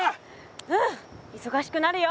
うんいそがしくなるよ。